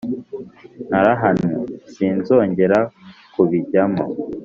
Narahanwe sinzongera kubijyamo